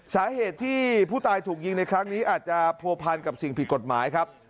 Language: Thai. สาเหตุที่ผู้ตายถูกยิงในครั้งนี้อาจจะผัวพันกับสิ่งผิดกฎหมายครับ